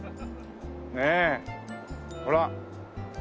ねえほら。